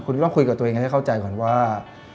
คุณต้องคุยกับตัวเองให้เข้าใจก่อนว่า